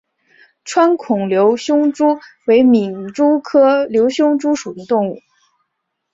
穿孔瘤胸蛛为皿蛛科瘤胸蛛属的动物。